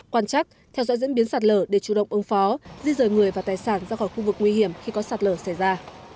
quan chắc theo dõi diễn biến sạt lở để chủ động ứng phó di rời người và tài sản ra khỏi khu vực nguy hiểm khi có sạt lở xảy ra